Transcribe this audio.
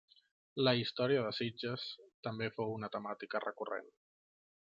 La història de Sitges també fou una temàtica recorrent.